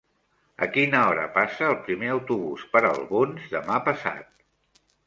A quina hora passa el primer autobús per Albons demà passat?